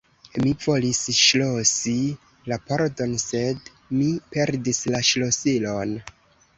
Mi volis ŝlosi la pordon, sed mi perdis la ŝlosilon.